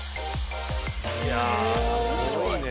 いやあすごいね。